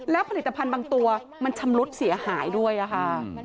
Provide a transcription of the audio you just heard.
แล้วผลิตภัณฑ์บางตัวมันชำรุดเสียหายด้วยค่ะ